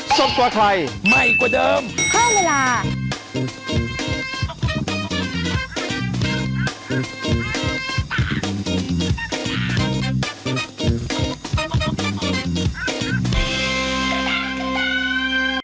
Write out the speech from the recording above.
โปรดติดตามตอนต่อไป